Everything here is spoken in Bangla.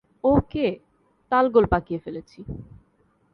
ওকে, তালগোল পাকিয়ে ফেলেছি।